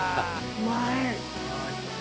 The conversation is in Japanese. うまい。